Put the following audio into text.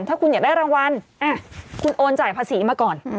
ถ้าคุณอยากได้รางวัลคุณโอนจ่ายภาษีมาก่อน